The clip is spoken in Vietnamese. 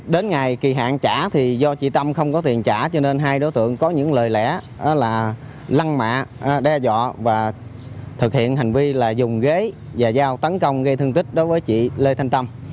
đến ngày kỳ hạn trả thì do chị tâm không có tiền trả cho nên hai đối tượng có những lời lẽ là lăng mạ đe dọa và thực hiện hành vi là dùng ghế và giao tấn công gây thương tích đối với chị lê thanh tâm